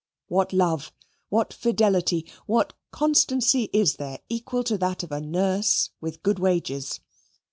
What love, what fidelity, what constancy is there equal to that of a nurse with good wages?